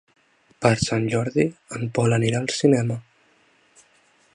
Per Sant Jordi en Pol anirà al cinema.